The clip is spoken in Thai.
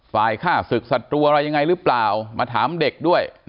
ฆ่าศึกศัตรูอะไรยังไงหรือเปล่ามาถามเด็กด้วย